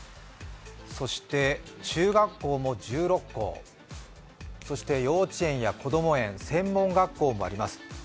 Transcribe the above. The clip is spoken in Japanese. そして、中学校も１６校そして、幼稚園やこども園、専門学校もあります。